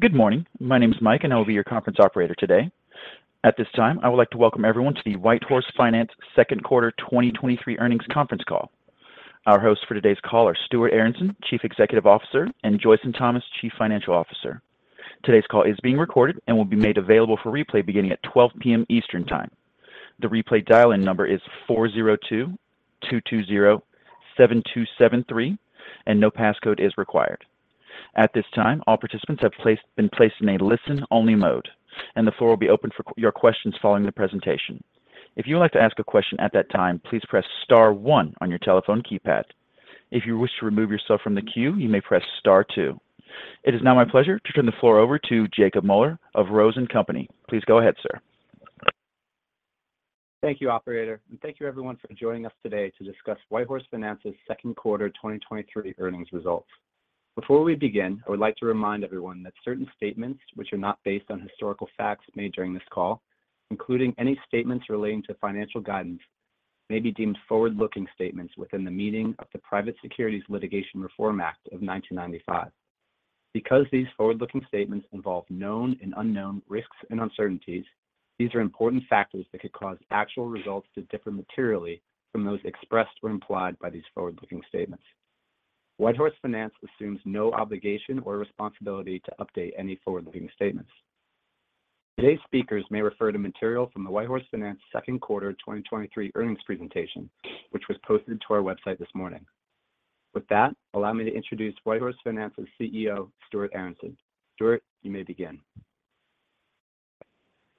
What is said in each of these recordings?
Good morning. My name is Mike, I will be your conference operator today. At this time, I would like to welcome everyone to the WhiteHorse Finance Second Quarter 2023 Earnings Conference Call. Our hosts for today's call are Stuart Aronson, Chief Executive Officer; and Joyson Thomas, Chief Financial Officer. Today's call is being recorded and will be made available for replay beginning at 12:00 P.M. Eastern Time. The replay dial-in number is 402-220-7273, no passcode is required. At this time, all participants have been placed in a listen-only mode, the floor will be open for your questions following the presentation. If you would like to ask a question at that time, please press star one on your telephone keypad. If you wish to remove yourself from the queue, you may press star two. It is now my pleasure to turn the floor over to Jacob Moeller of Rose & Company. Please go ahead, sir. Thank you, operator, and thank you everyone for joining us today to discuss WhiteHorse Finance's 2Q 2023 earnings results. Before we begin, I would like to remind everyone that certain statements which are not based on historical facts made during this call, including any statements relating to financial guidance, may be deemed forward-looking statements within the meaning of the Private Securities Litigation Reform Act of 1995. Because these forward-looking statements involve known and unknown risks and uncertainties, these are important factors that could cause actual results to differ materially from those expressed or implied by these forward-looking statements. WhiteHorse Finance assumes no obligation or responsibility to update any forward-looking statements. Today's speakers may refer to material from the WhiteHorse Finance 2Q 2023 earnings presentation, which was posted to our website this morning. With that, allow me to introduce WhiteHorse Finance's CEO, Stuart Aronson. Stuart, you may begin.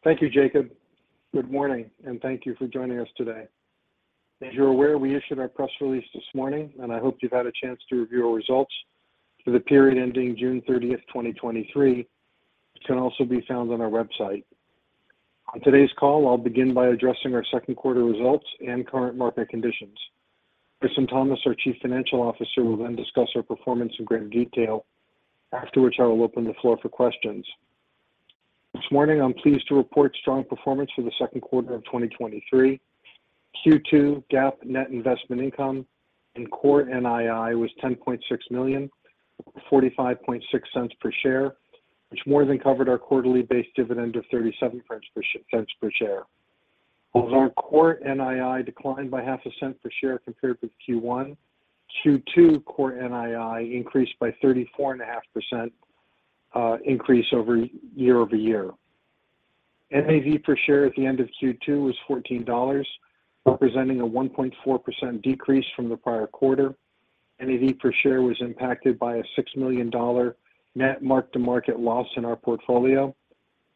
Thank you, Jacob. Good morning, thank you for joining us today. As you're aware, we issued our press release this morning, and I hope you've had a chance to review our results for the period ending June 30th, 2023, which can also be found on our website. On today's call, I'll begin by addressing our second quarter results and current market conditions. Joyson Thomas, our Chief Financial Officer, will then discuss our performance in greater detail. Afterwards, I will open the floor for questions. This morning, I'm pleased to report strong performance for the second quarter of 2023. Q2 GAAP net investment income and core NII was $10.6 million, $0.456 per share, which more than covered our quarterly base dividend of $0.37 per share. Although our core NII declined by $0.005 per share compared with Q1, Q2 core NII increased by 34.5% year-over-year. NAV per share at the end of Q2 was $14, representing a 1.4% decrease from the prior quarter. NAV per share was impacted by a $6 million net mark-to-market loss in our portfolio.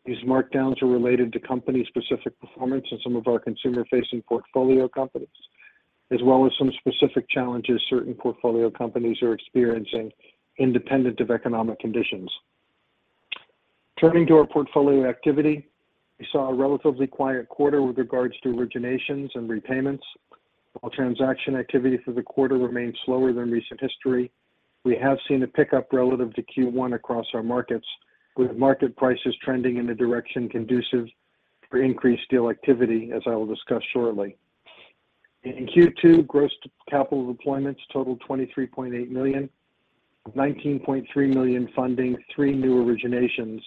These markdowns are related to company-specific performance in some of our consumer-facing portfolio companies, as well as some specific challenges certain portfolio companies are experiencing independent of economic conditions. Turning to our portfolio activity, we saw a relatively quiet quarter with regards to originations and repayments. While transaction activity for the quarter remained slower than recent history, we have seen a pickup relative to Q1 across our markets, with market prices trending in a direction conducive for increased deal activity, as I will discuss shortly. In Q2, gross capital deployments totaled $23.8 million, $19.3 million funding three new originations,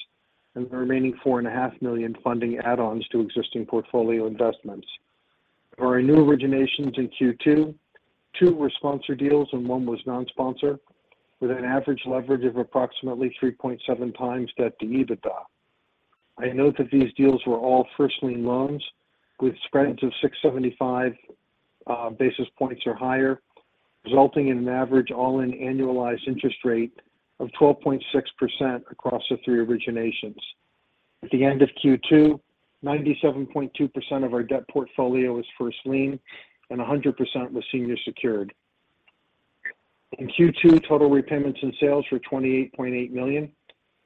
and the remaining $4.5 million funding add-ons to existing portfolio investments. For our new originations in Q2, two were sponsor deals and one was non-sponsor, with an average leverage of approximately 3.7x debt to EBITDA. I note that these deals were all first lien loans with spreads of 675 basis points or higher, resulting in an average all-in annualized interest rate of 12.6% across the three originations. At the end of Q2, 97.2% of our debt portfolio was first lien and 100% was senior secured. In Q2, total repayments and sales were $28.8 million,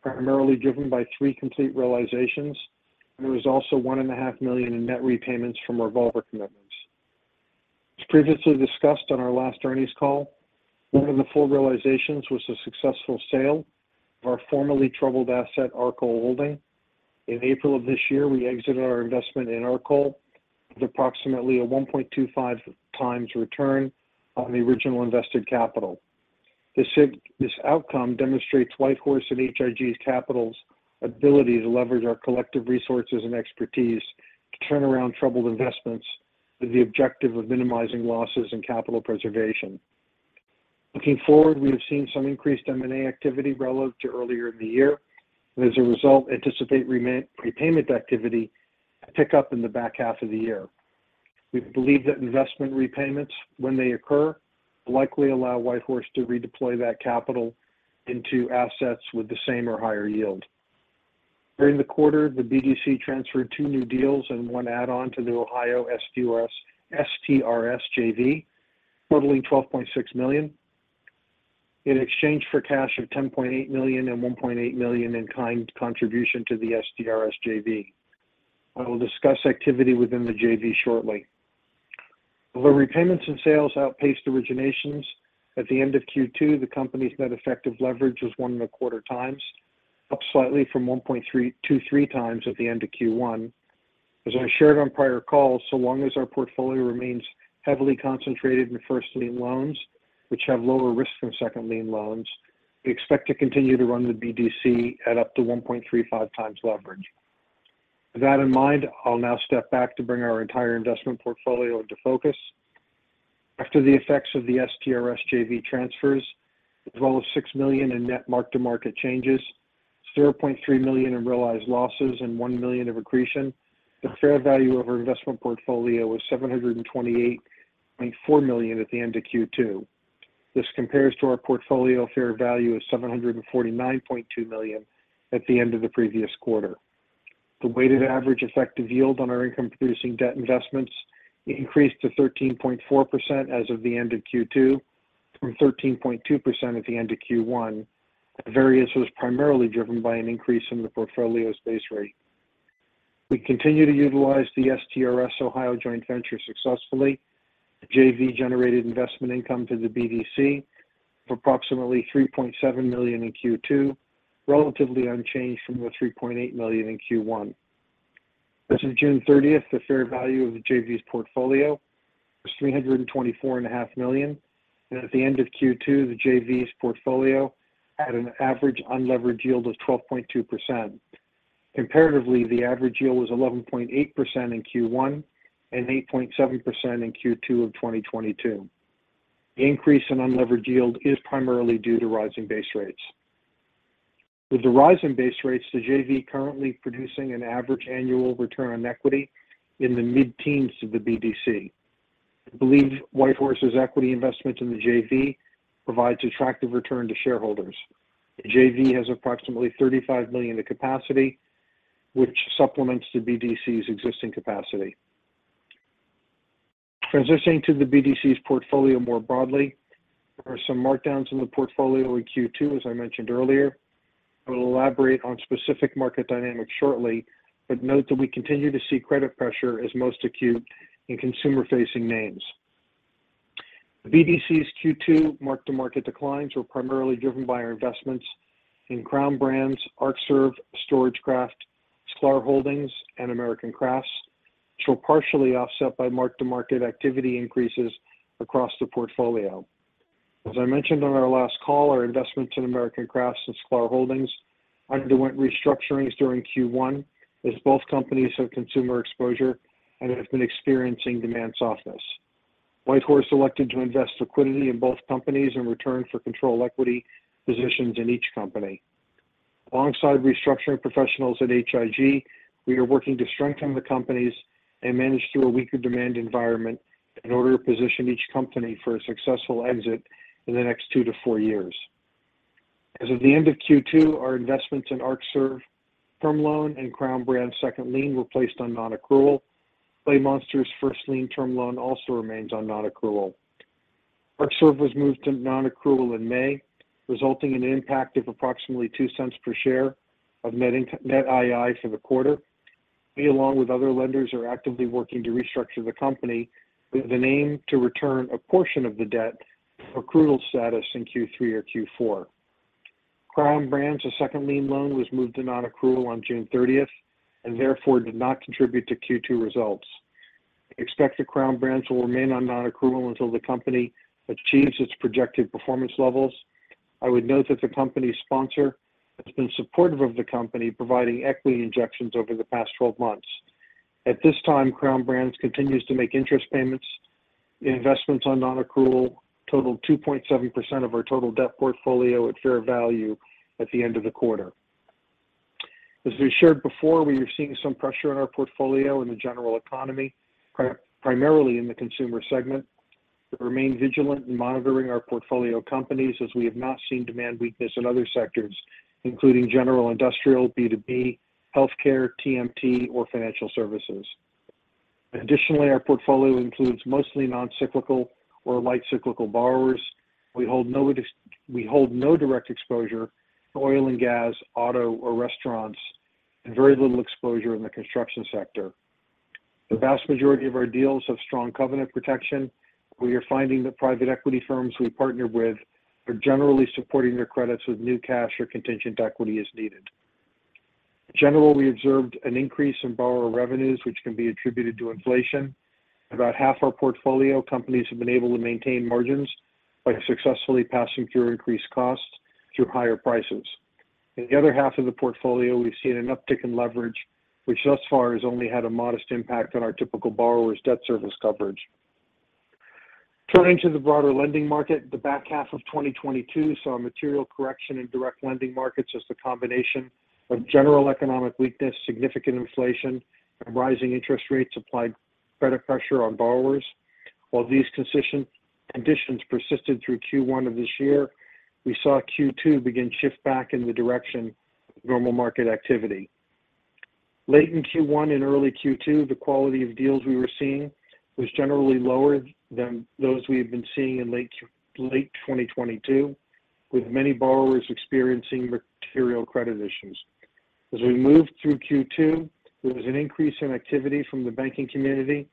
primarily driven by 3 complete realizations, and there was also $1.5 million in net repayments from revolver commitments. As previously discussed on our last earnings call, 1 of the 4 realizations was a successful sale of our formerly troubled asset, Arcole Holding. In April of this year, we exited our investment in Arcol with approximately a 1.25x return on the original invested capital. This outcome demonstrates WhiteHorse and H.I.G. Capital's ability to leverage our collective resources and expertise to turn around troubled investments with the objective of minimizing losses and capital preservation. Looking forward, we have seen some increased M&A activity relative to earlier in the year. As a result, anticipate prepayment activity to pick up in the back half of the year. We believe that investment repayments, when they occur, will likely allow WhiteHorse to redeploy that capital into assets with the same or higher yield. During the quarter, the BDC transferred two new deals and one add-on to the Ohio STRS JV, totaling $12.6 million. In exchange for cash of $10.8 million and $1.8 million in kind contribution to the STRS JV. I will discuss activity within the JV shortly. Although repayments and sales outpaced originations, at the end of Q2, the company's net effective leverage was 1.25 times, up slightly from 1.323 times at the end of Q1. As I shared on prior calls, so long as our portfolio remains heavily concentrated in first lien loans, which have lower risk than second lien loans, we expect to continue to run the BDC at up to 1.35x leverage. With that in mind, I'll now step back to bring our entire investment portfolio into focus. After the effects of the STRS JV transfers, as well as $6 million in net mark-to-market changes, $0.3 million in realized losses, and $1 million of accretion, the fair value of our investment portfolio was $728.4 million at the end of Q2. This compares to our portfolio fair value of $749.2 million at the end of the previous quarter. The weighted average effective yield on our income-producing debt investments increased to 13.4% as of the end of Q2, from 13.2% at the end of Q1. The variance was primarily driven by an increase in the portfolio's base rate. We continue to utilize the STRS Ohio joint venture successfully. The JV generated investment income to the BDC of approximately $3.7 million in Q2, relatively unchanged from the $3.8 million in Q1. As of June 30th, the fair value of the JV's portfolio was $324.5 million, and at the end of Q2, the JV's portfolio had an average unlevered yield of 12.2%. Comparatively, the average yield was 11.8% in Q1 and 8.7% in Q2 of 2022. The increase in unlevered yield is primarily due to rising base rates. With the rise in base rates, the JV currently producing an average annual return on equity in the mid-teens of the BDC. I believe WhiteHorse's equity investment in the JV provides attractive return to shareholders. The JV has approximately $35 million in capacity, which supplements the BDC's existing capacity. Transitioning to the BDC's portfolio more broadly, there are some markdowns in the portfolio in Q2, as I mentioned earlier. I will elaborate on specific market dynamics shortly, but note that we continue to see credit pressure as most acute in consumer-facing names. The BDC's Q2 mark-to-market declines were primarily driven by our investments in Crown Brands, Arcserve, StorageCraft, Skylar Holdings, and American Crafts, which were partially offset by mark-to-market activity increases across the portfolio. As I mentioned on our last call, our investments in American Crafts and Skylar Holdings underwent restructurings during Q1, as both companies have consumer exposure and have been experiencing demand softness. WhiteHorse elected to invest liquidity in both companies in return for control equity positions in each company. Alongside restructuring professionals at H.I.G, we are working to strengthen the companies and manage through a weaker demand environment in order to position each company for a successful exit in the next two to four years. As of the end of Q2, our investments in Arcserve term loan and Crown Brands second lien were placed on non-accrual. Clay Monster's first lien term loan also remains on non-accrual. Arcserve was moved to non-accrual in May, resulting in an impact of approximately $0.02 per share of NII for the quarter. We, along with other lenders, are actively working to restructure the company with an aim to return a portion of the debt to accrual status in Q3 or Q4. Crown Brands, a second lien loan, was moved to non-accrual on June thirtieth, and therefore did not contribute to Q2 results. Expect that Crown Brands will remain on non-accrual until the company achieves its projected performance levels. I would note that the company's sponsor has been supportive of the company, providing equity injections over the past 12 months. At this time, Crown Brands continues to make interest payments. The investments on non-accrual totaled 2.7% of our total debt portfolio at fair value at the end of the quarter. As we shared before, we are seeing some pressure in our portfolio in the general economy, primarily in the consumer segment, but remain vigilant in monitoring our portfolio companies as we have not seen demand weakness in other sectors, including general industrial, B2B, healthcare, TMT, or financial services. Additionally, our portfolio includes mostly non-cyclical or light cyclical borrowers. We hold no direct exposure to oil and gas, auto, or restaurants, and very little exposure in the construction sector. The vast majority of our deals have strong covenant protection. We are finding that private equity firms we partner with are generally supporting their credits with new cash or contingent equity as needed. In general, we observed an increase in borrower revenues, which can be attributed to inflation. About half our portfolio companies have been able to maintain margins by successfully passing through increased costs through higher prices. In the other half of the portfolio, we've seen an uptick in leverage, which thus far has only had a modest impact on our typical borrower's debt service coverage. Turning to the broader lending market, the back half of 2022 saw a material correction in direct lending markets as the combination of general economic weakness, significant inflation, and rising interest rates applied credit pressure on borrowers. While these conditions persisted through Q1 of this year, we saw Q2 begin to shift back in the direction of normal market activity. Late in Q1 and early Q2, the quality of deals we were seeing was generally lower than those we had been seeing in late 2022, with many borrowers experiencing material credit issues. As we moved through Q2, there was an increase in activity from the banking community.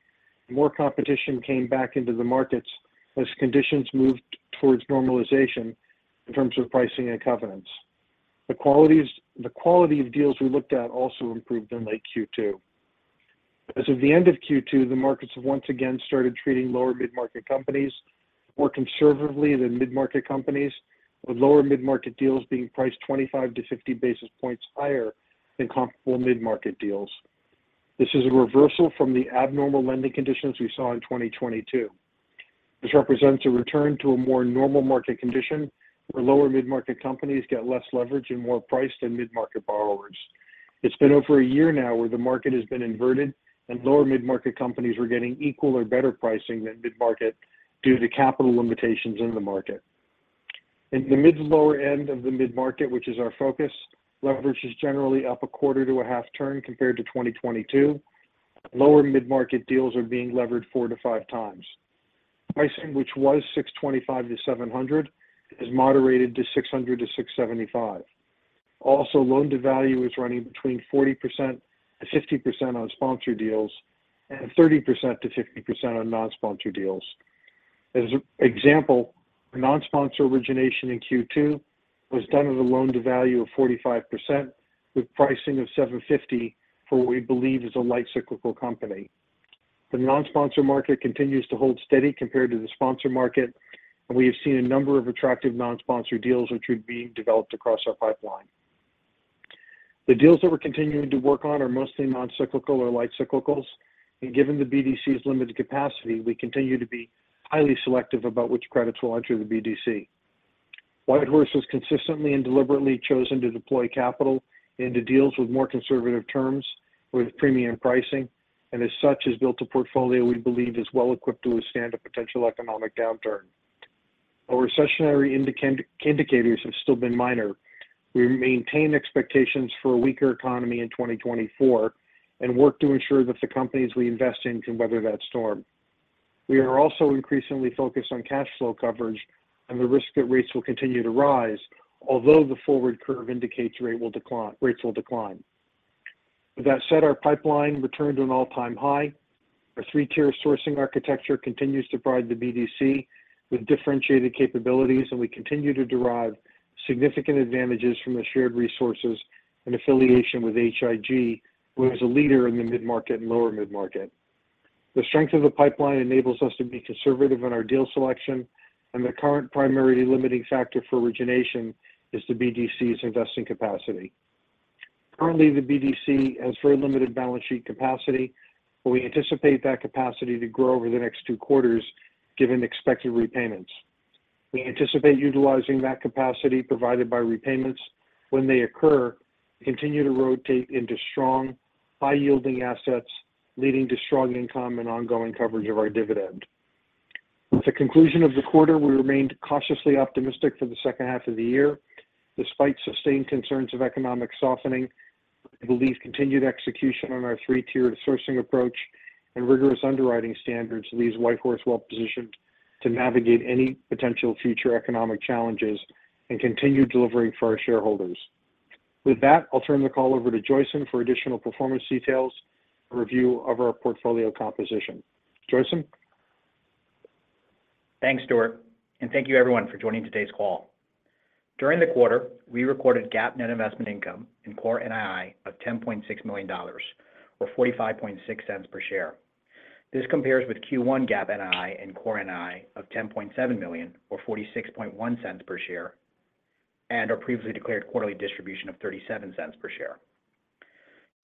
More competition came back into the markets as conditions moved towards normalization in terms of pricing and covenants. The quality of deals we looked at also improved in late Q2. As of the end of Q2, the markets have once again started treating lower mid-market companies more conservatively than mid-market companies, with lower mid-market deals being priced 25-50 basis points higher than comparable mid-market deals. This is a reversal from the abnormal lending conditions we saw in 2022. This represents a return to a more normal market condition, where lower mid-market companies get less leverage and more price than mid-market borrowers. It's been over a year now where the market has been inverted, and lower mid-market companies are getting equal or better pricing than mid-market due to capital limitations in the market. In the mid to lower end of the mid-market, which is our focus, leverage is generally up 0.25 to 0.5 turn compared to 2022. Lower mid-market deals are being levered 4 to 5 times. Pricing, which was $625-$700, has moderated to $600-$675. Also, loan-to-value is running between 40%-50% on sponsored deals and 30%-50% on non-sponsored deals. As an example, a non-sponsor origination in Q2 was done at a loan-to-value of 45% with pricing of $750 for what we believe is a light cyclical company. The non-sponsor market continues to hold steady compared to the sponsor market, and we have seen a number of attractive non-sponsor deals which are being developed across our pipeline. The deals that we're continuing to work on are mostly non-cyclical or light cyclicals, and given the BDC's limited capacity, we continue to be highly selective about which credits will enter the BDC. WhiteHorse has consistently and deliberately chosen to deploy capital into deals with more conservative terms with premium pricing, and as such, has built a portfolio we believe is well equipped to withstand a potential economic downturn. Our recessionary indicators have still been minor. We maintain expectations for a weaker economy in 2024 and work to ensure that the companies we invest in can weather that storm. We are also increasingly focused on cash flow coverage and the risk that rates will continue to rise, although the forward curve indicates rate will decline, rates will decline. With that said, our pipeline returned to an all-time high. Our three-tier sourcing architecture continues to provide the BDC with differentiated capabilities, and we continue to derive significant advantages from the shared resources and affiliation with HIG, who is a leader in the mid-market and lower mid-market. The strength of the pipeline enables us to be conservative in our deal selection, and the current primary limiting factor for origination is the BDC's investing capacity. Currently, the BDC has very limited balance sheet capacity, but we anticipate that capacity to grow over the next two quarters, given expected repayments. We anticipate utilizing that capacity provided by repayments when they occur, continue to rotate into strong, high-yielding assets, leading to strong income and ongoing coverage of our dividend. At the conclusion of the quarter, we remained cautiously optimistic for the second half of the year. Despite sustained concerns of economic softening, we believe continued execution on our three-tiered sourcing approach and rigorous underwriting standards leaves WhiteHorse well positioned to navigate any potential future economic challenges and continue delivering for our shareholders. With that, I'll turn the call over to Joyson for additional performance details and review of our portfolio composition. Joyson? Thanks, Stuart, and thank you everyone for joining today's call. During the quarter, we recorded GAAP net investment income and core NII of $10.6 million, or $0.456 per share. This compares with Q1 GAAP NII and core NII of $10.7 million, or $0.461 per share, and our previously declared quarterly distribution of $0.37 per share.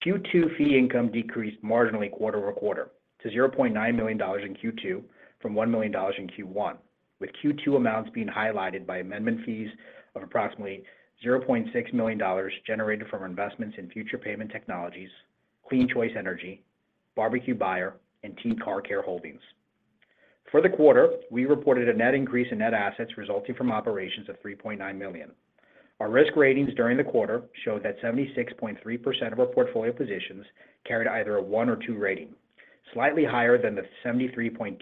Q2 fee income decreased marginally quarter-over-quarter to $0.9 million in Q2 from $1 million in Q1, with Q2 amounts being highlighted by amendment fees of approximately $0.6 million generated from investments in Future Payment Technologies, CleanChoice Energy, BBQ Buyer, and Team Car Care Holdings. For the quarter, we reported a net increase in net assets resulting from operations of $3.9 million. Our risk ratings during the quarter showed that 76.3% of our portfolio positions carried either a one or two rating, slightly higher than the 73.2%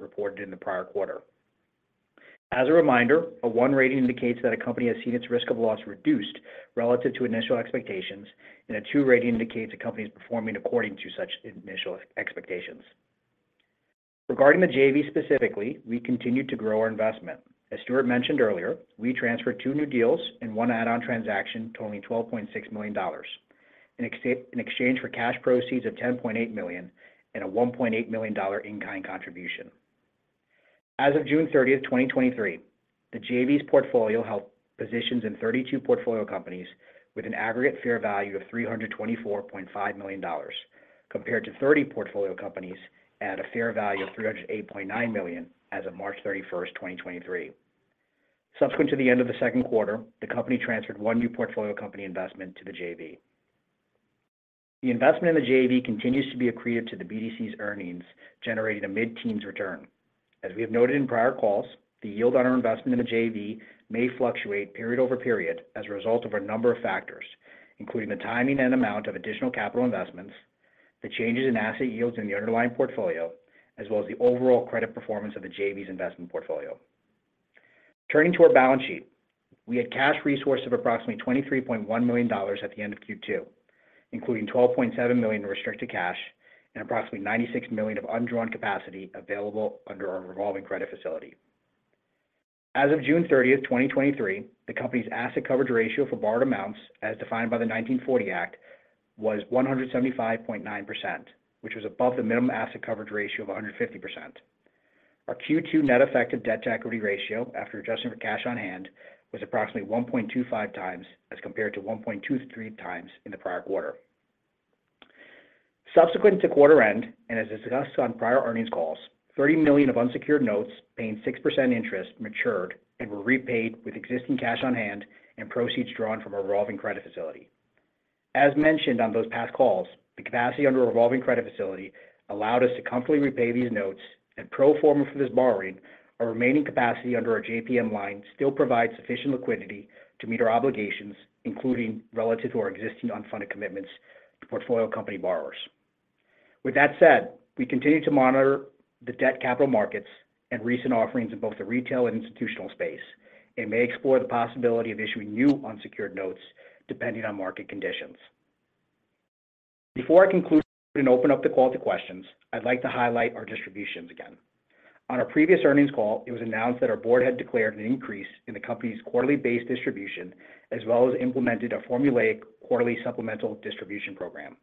reported in the prior quarter. As a reminder, a one rating indicates that a company has seen its risk of loss reduced relative to initial expectations, and a two rating indicates a company is performing according to such initial expectations. Regarding the JV specifically, we continued to grow our investment. As Stuart mentioned earlier, we transferred two new deals and one add-on transaction totaling $12.6 million, in exchange for cash proceeds of $10.8 million and a $1.8 million in-kind contribution. As of June 30, 2023, the JV's portfolio held positions in 32 portfolio companies with an aggregate fair value of $324.5 million, compared to 30 portfolio companies at a fair value of $308.9 million as of March 31, 2023. Subsequent to the end of the second quarter, the company transferred one new portfolio company investment to the JV. The investment in the JV continues to be accretive to the BDC's earnings, generating a mid-teens return. As we have noted in prior calls, the yield on our investment in the JV may fluctuate period over period as a result of a number of factors, including the timing and amount of additional capital investments, the changes in asset yields in the underlying portfolio, as well as the overall credit performance of the JV's investment portfolio. Turning to our balance sheet, we had cash resources of approximately $23.1 million at the end of Q2, including $12.7 million in restricted cash and approximately $96 million of undrawn capacity available under our revolving credit facility. As of June 30, 2023, the company's asset coverage ratio for borrowed amounts, as defined by the 1940 Act, was 175.9%, which was above the minimum asset coverage ratio of 150%. Our Q2 net effective debt to equity ratio, after adjusting for cash on hand, was approximately 1.25 times as compared to 1.23 times in the prior quarter. Subsequent to quarter end, as discussed on prior earnings calls, $30 million of unsecured notes paying 6% interest matured and were repaid with existing cash on hand and proceeds drawn from our revolving credit facility. As mentioned on those past calls, the capacity under our revolving credit facility allowed us to comfortably repay these notes and pro forma for this borrowing, our remaining capacity under our JPM line still provides sufficient liquidity to meet our obligations, including relative to our existing unfunded commitments to portfolio company borrowers. With that said, we continue to monitor the debt capital markets and recent offerings in both the retail and institutional space, and may explore the possibility of issuing new unsecured notes, depending on market conditions. Before I conclude and open up the call to questions, I'd like to highlight our distributions again. On our previous earnings call, it was announced that our board had declared an increase in the company's quarterly base distribution, as well as implemented a formulaic quarterly supplemental distribution program.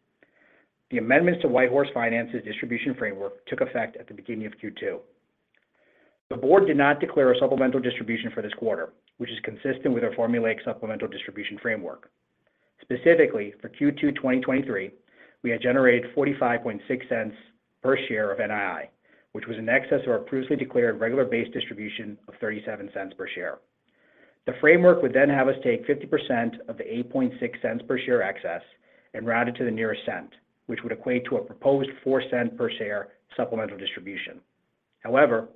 The amendments to WhiteHorse Finance's distribution framework took effect at the beginning of Q2. The board did not declare a supplemental distribution for this quarter, which is consistent with our formulaic supplemental distribution framework. Specifically, for Q2 2023, we had generated $0.456 per share of NII, which was in excess of our previously declared regular base distribution of $0.37 per share. The framework would then have us take 50% of the $0.086 per share excess and round it to the nearest cent, which would equate to a proposed $0.04 per share supplemental distribution. However,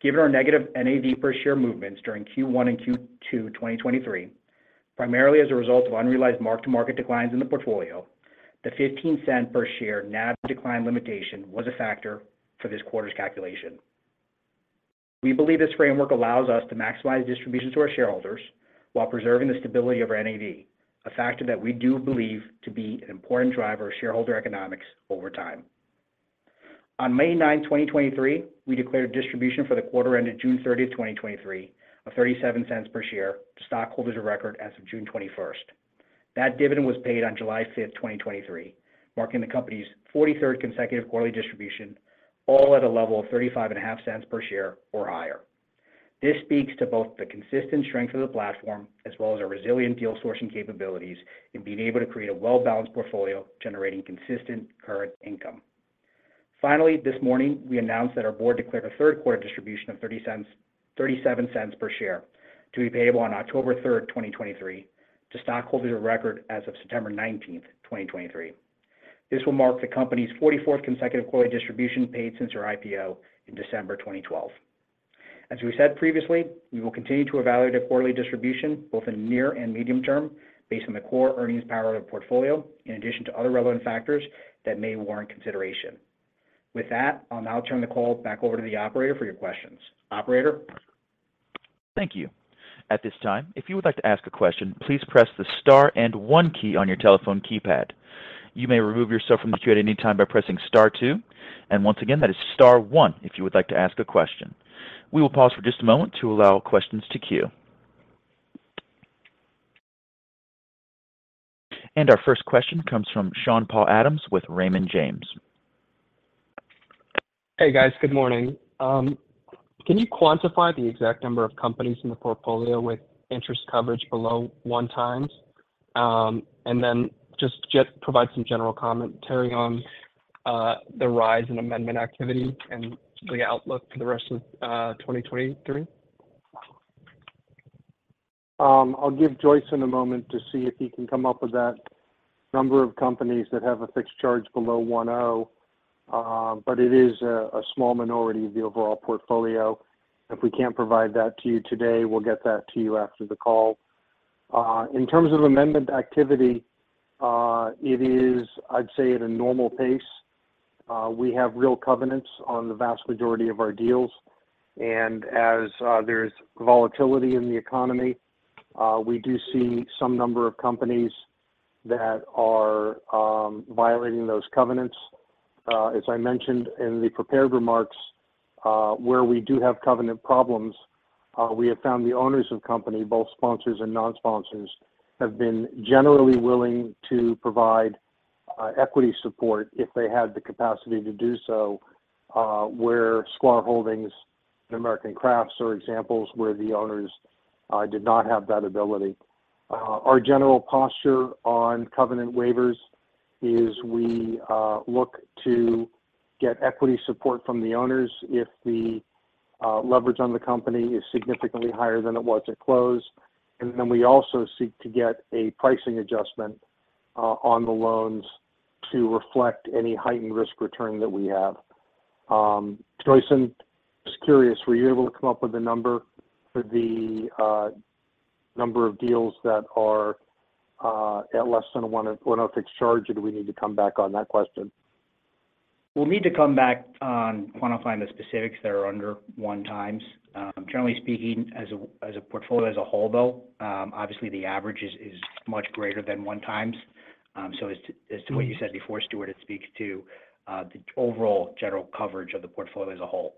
given our negative NAV per share movements during Q1 and Q2 2023, primarily as a result of unrealized mark-to-market declines in the portfolio, the $0.15 per share NAV decline limitation was a factor for this quarter's calculation. We believe this framework allows us to maximize distributions to our shareholders while preserving the stability of our NAV, a factor that we do believe to be an important driver of shareholder economics over time. On May 9, 2023, we declared a distribution for the quarter ended June 30, 2023, of $0.37 per share to stockholders of record as of June 21. That dividend was paid on July 5, 2023, marking the company's 43rd consecutive quarterly distribution, all at a level of $0.355 per share or higher. This speaks to both the consistent strength of the platform, as well as our resilient deal sourcing capabilities in being able to create a well-balanced portfolio, generating consistent current income. Finally, this morning, we announced that our board declared a third quarter distribution of $0.37 per share to be payable on October 3, 2023, to stockholders of record as of September 19, 2023. This will mark the company's 44th consecutive quarterly distribution paid since our IPO in December 2012. As we said previously, we will continue to evaluate a quarterly distribution, both in near and medium term, based on the core earnings power of the portfolio, in addition to other relevant factors that may warrant consideration. With that, I'll now turn the call back over to the operator for your questions. Operator? Thank you. At this time, if you would like to ask a question, please press the Star and 1 key on your telephone keypad. You may remove yourself from the queue at any time by pressing Star 2. Once again, that is Star 1 if you would like to ask a question. We will pause for just a moment to allow questions to queue. Our first question comes from Sean-Paul Adams with Raymond James. Hey, guys. Good morning. Can you quantify the exact number of companies in the portfolio with interest coverage below 1 times? Just, just provide some general comment, Terry, on, the rise in amendment activity and the outlook for the rest of, 2023. I'll give Joyson a moment to see if he can come up with that number of companies that have a fixed charge below 1.0, but it is a, a small minority of the overall portfolio. If we can't provide that to you today, we'll get that to you after the call. In terms of amendment activity, it is, I'd say, at a normal pace. We have real covenants on the vast majority of our deals, and as there's volatility in the economy, we do see some number of companies that are violating those covenants. As I mentioned in the prepared remarks, where we do have covenant problems, we have found the owners of company, both sponsors and non-sponsors, have been generally willing to provide equity support if they had the capacity to do so, where Starco Holdings and American Crafts are examples where the owners did not have that ability. Our general posture on covenant waivers is we look to get equity support from the owners if the leverage on the company is significantly higher than it was at close. Then we also seek to get a pricing adjustment on the loans to reflect any heightened risk return that we have. Joyson, just curious, were you able to come up with a number for the number of deals that are at less than 1.10 fixed charge, or do we need to come back on that question?... We'll need to come back on quantifying the specifics that are under 1 times. Generally speaking, as a, as a portfolio as a whole, though, obviously, the average is, is much greater than 1 times. As to, as to what you said before, Stuart, it speaks to the overall general coverage of the portfolio as a whole.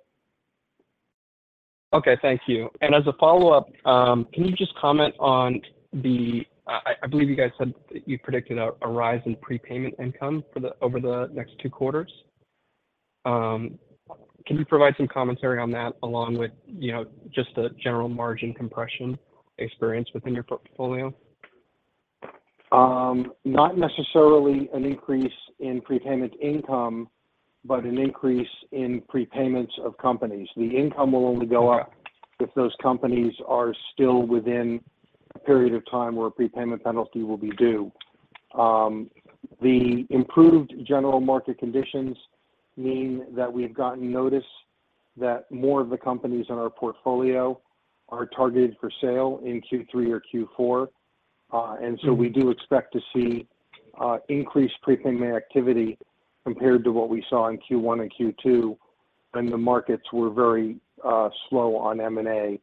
Okay, thank you. As a follow-up, can you just comment on I believe you guys said that you predicted a rise in prepayment income over the next two quarters? Can you provide some commentary on that, along with, you know, just the general margin compression experience within your portfolio? Not necessarily an increase in prepayment income, but an increase in prepayments of companies. The income will only go up if those companies are still within a period of time where a prepayment penalty will be due. The improved general market conditions mean that we have gotten notice that more of the companies in our portfolio are targeted for sale in Q3 or Q4. So we do expect to see increased prepayment activity compared to what we saw in Q1 and Q2, when the markets were very slow on M&A.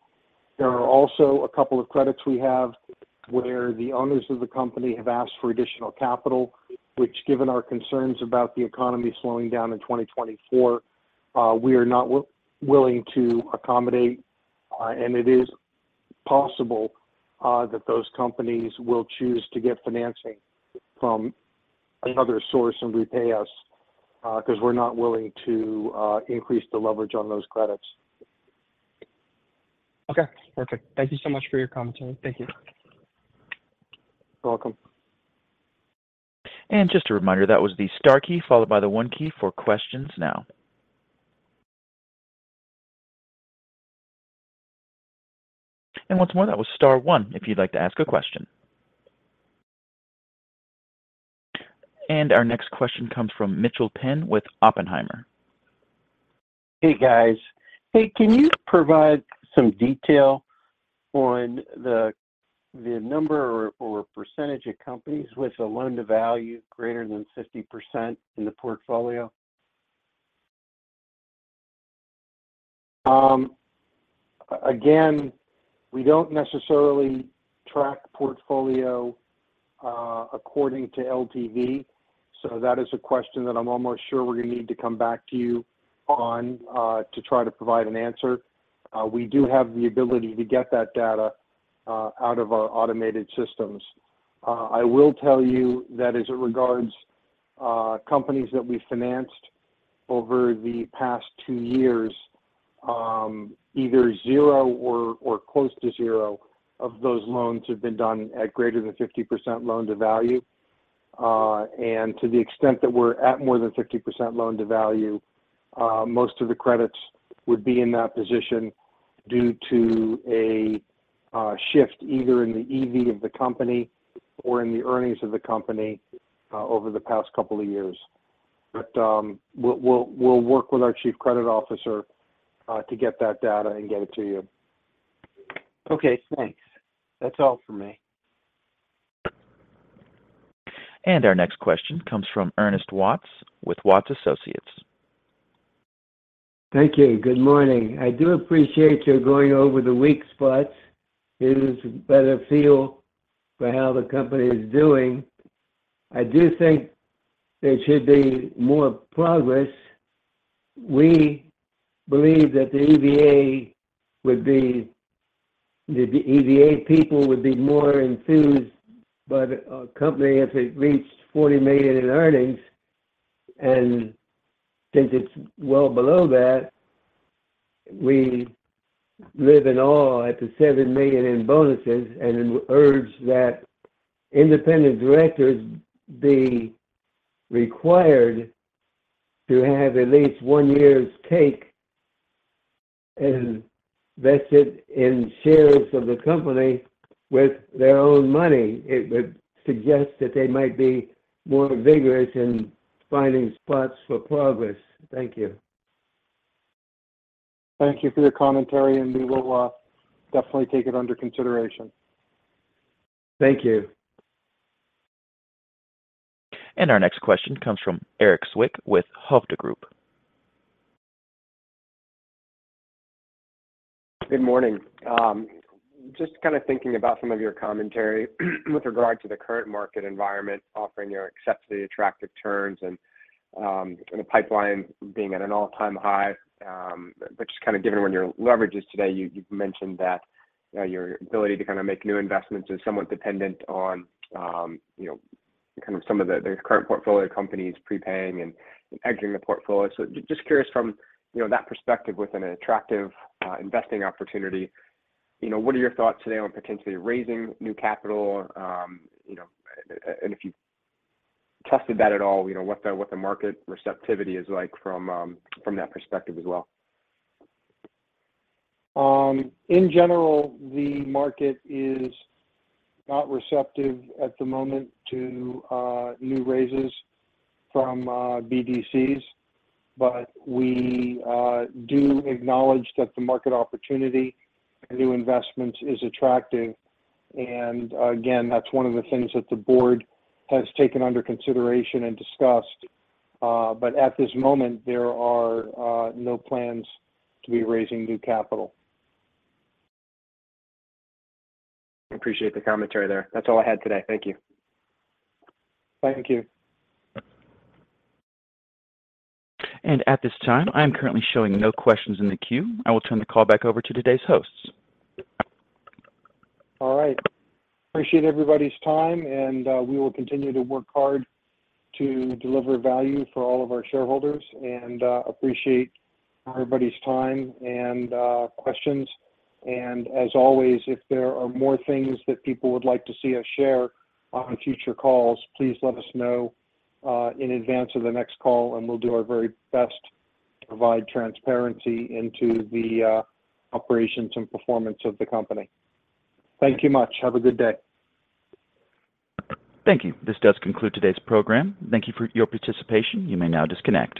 There are also a couple of credits we have where the owners of the company have asked for additional capital, which, given our concerns about the economy slowing down in 2024, we are not willing to accommodate, and it is possible, that those companies will choose to get financing from another source and repay us, 'cause we're not willing to increase the leverage on those credits. Okay, perfect. Thank you so much for your commentary. Thank you. You're welcome. Just a reminder, that was the star key followed by the 1 key for questions now. Once more, that was star 1 if you'd like to ask a question. Our next question comes from Mitchel Penn with Oppenheimer. Hey, guys. Hey, can you provide some detail on the, the number or, or percentage of companies with a loan-to-value greater than 50% in the portfolio? Again, we don't necessarily track portfolio according to LTV, so that is a question that I'm almost sure we're going to need to come back to you on to try to provide an answer. We do have the ability to get that data out of our automated systems. I will tell you that as it regards companies that we financed over the past 2 years, either 0 or close to 0 of those loans have been done at greater than 50% loan-to-value. To the extent that we're at more than 50% loan to value, most of the credits would be in that position due to a shift, either in the EV of the company or in the earnings of the company, over the past couple of years. We'll, we'll, we'll work with our Chief Credit Officer to get that data and get it to you. Okay, thanks. That's all for me. Our next question comes from Ernest Watts with Watts Associates. Thank you. Good morning. I do appreciate you going over the weak spots. It is a better feel for how the company is doing. I do think there should be more progress. We believe that the EVA people would be more enthused by the company if it reached $40 million in earnings, and since it's well below that, we live in awe at the $7 million in bonuses and urge that independent directors be required to have at least 1 year's take and invest it in shares of the company with their own money. It would suggest that they might be more vigorous in finding spots for progress. Thank you. Thank you for your commentary, we will, definitely take it under consideration. Thank you. Our next question comes from Erik Zwick with Hovde Group. Good morning. Just kind of thinking about some of your commentary with regard to the current market environment, offering your exceptionally attractive terms and the pipeline being at an all-time high, just kind of given where your leverage is today, you, you've mentioned that your ability to kind of make new investments is somewhat dependent on, you know, kind of some of the, the current portfolio companies prepaying and, and exiting the portfolio. Just curious from, you know, that perspective with an attractive investing opportunity, you know, what are your thoughts today on potentially raising new capital? You know, and if you've tested that at all, you know, what the, what the market receptivity is like from that perspective as well. In general, the market is not receptive at the moment to new raises from BDCs, but we do acknowledge that the market opportunity for new investment is attractive. Again, that's one of the things that the board has taken under consideration and discussed. At this moment, there are no plans to be raising new capital. I appreciate the commentary there. That's all I had today. Thank you. Thank you. At this time, I'm currently showing no questions in the queue. I will turn the call back over to today's hosts. All right. Appreciate everybody's time, and we will continue to work hard to deliver value for all of our shareholders and appreciate everybody's time and questions. As always, if there are more things that people would like to see us share on future calls, please let us know, in advance of the next call, and we'll do our very best to provide transparency into the operations and performance of the company. Thank you much. Have a good day. Thank you. This does conclude today's program. Thank you for your participation. You may now disconnect.